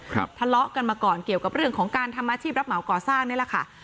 ทะเลาะกันมาก่อนเกี่ยวกับเรื่องของการทำอาชีพรับเหมาก่อสร้างนี่แหละค่ะ